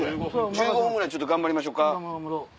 １５分ぐらいちょっと頑張りましょか。